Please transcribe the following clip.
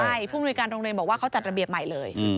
ใช่ผู้มนุยการโรงเรียนบอกว่าเขาจัดระเบียบใหม่เลย